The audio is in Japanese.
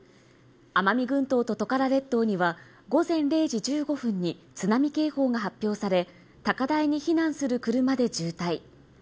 奄美群島とトカラ列島には午前０時１５分に津波警報が発表され、高台に避難する車で渋滞。